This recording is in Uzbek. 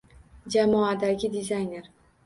Jamoadagi dizayner